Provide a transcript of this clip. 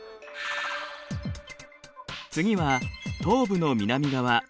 次は東部の南側。